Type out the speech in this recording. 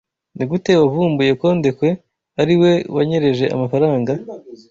Nigute wavumbuye ko Ndekwe ariwe wanyereje amafaranga?